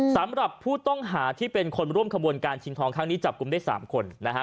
สำหรับผู้ต้องหาที่เป็นคนร่วมขบวนการชิงทองครั้งนี้จับกลุ่มได้๓คนนะฮะ